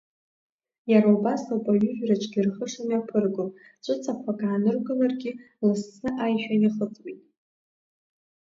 Иара убас ауп аҩыжәраҿгьы рхы шымҩаԥырго, ҵәыцақәак ааныркыларгьы, лассы аишәа иахыҵуеит.